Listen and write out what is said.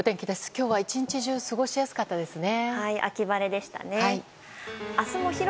今日は１日中過ごしやすかったですね。